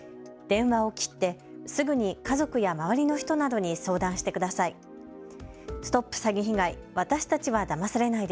電話を切って、すぐに家族や周りの人などに相談してください。